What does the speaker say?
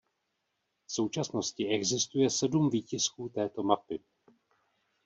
V současnosti existuje sedm výtisků této mapy.